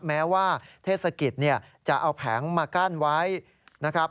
แม้ว่าเทศกิจเนี่ยจะเอาแผงมากั้นไว้นะครับ